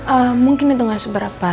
eh mungkin itu nggak seberapa